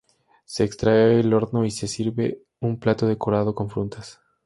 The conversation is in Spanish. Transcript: Se extrae del horno y se sirve en un plato decorado con frutas.